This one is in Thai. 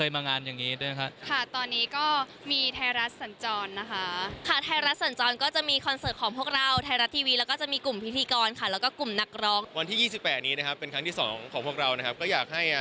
มาเชียร์แล้วก็ให้เป็นกำลังใจให้พวกเราเนอะ